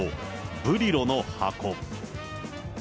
ブリロの箱。